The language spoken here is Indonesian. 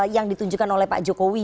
yang ditunjukkan oleh pak jokowi